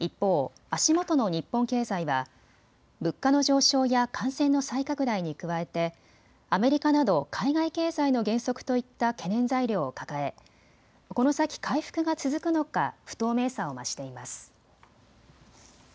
一方、足元の日本経済は物価の上昇や感染の再拡大に加えてアメリカなど海外経済の減速といった懸念材料を抱えこの先、回復が続くのか不透明さを増しています。